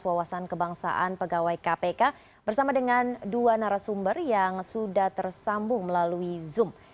wawasan kebangsaan pegawai kpk bersama dengan dua narasumber yang sudah tersambung melalui zoom